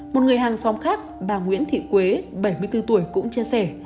một người hàng xóm khác bà nguyễn thị quế bảy mươi bốn tuổi cũng chia sẻ